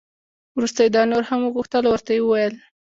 وروسته یې دا نور هم وغوښتل او ورته یې وویل.